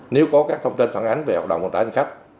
nếu có các thông tin phản ánh về hoạt động đại hành khách